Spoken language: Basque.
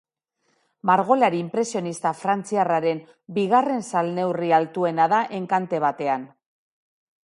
Margolari inpresionista frantziarraren bigarren salneurri altuena da enkante batean.